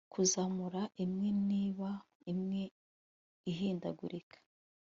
Kuzamura imwe niba imwe ihindagurika